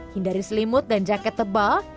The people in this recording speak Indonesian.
hindari selimut dan jaket tebal